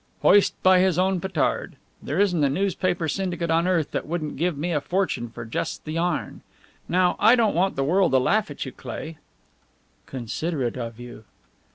Hoist by his own petard! There isn't a newspaper syndicate on earth that wouldn't give me a fortune for just the yarn. Now, I don't want the world to laugh at you, Cleigh." "Considerate of you."